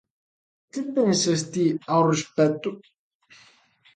Que pensas ti ao respecto?